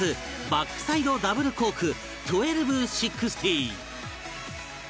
バックサイド・ダブルコーク１２６０